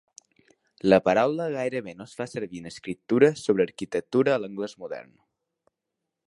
La paraula gairebé no es fa servir en escriptura sobre arquitectura a l'anglès modern.